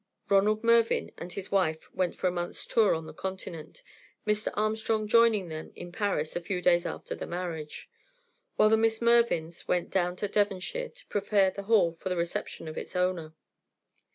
Ronald Mervyn and his wife went for a month's tour on the Continent, Mr. Armstrong joining them in Paris a few days after the marriage; while the Miss Mervyns went down to Devonshire to prepare the Hall for the reception of its owner.